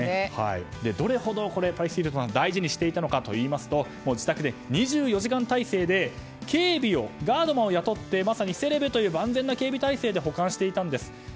どれほどパリス・ヒルトンさん大事にしていたのかといいますと自宅で２４時間態勢で警備をガードマンを雇ってまさにセレブという万全な警備態勢で保管していたんです。